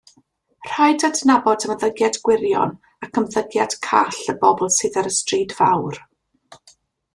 Rhaid adnabod ymddygiad gwirion ac ymddygiad call y bobl sydd ar y stryd fawr.